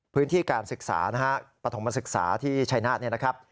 พื้นที่การศึกษานะฮะปฐมศึกษาที่ชัยนาธเนี่ยนะครับ